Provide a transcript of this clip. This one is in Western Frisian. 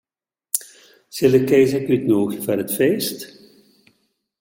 Sil ik Kees ek útnûgje foar it feest?